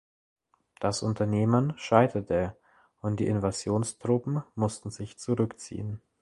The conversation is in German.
Das Unternehmen scheiterte und die Invasionstruppen mussten sich zurückziehen.